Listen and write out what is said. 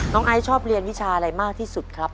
ไอซ์ชอบเรียนวิชาอะไรมากที่สุดครับ